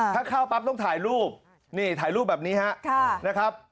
ถ้าเข้าปั๊บต้องถ่ายรูปนี่ถ่ายรูปแบบนี้ฮะนะครับ